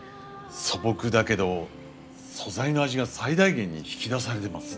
素朴だけど素材の味が最大限に引き出されてます。